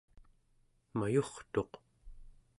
mayurtuq